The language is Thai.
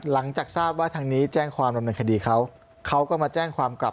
หลังจากทราบว่าทางนี้แจ้งความดำเนินคดีเขาเขาก็มาแจ้งความกลับ